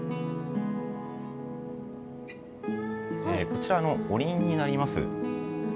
こちらあのおりんになります。